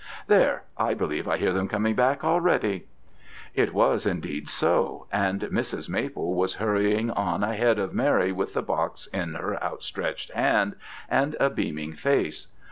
There! I believe I hear them coming back already.' "It was indeed so, and Mrs. Maple was hurrying on ahead of Mary with the box in her outstretched hand, and a beaming face.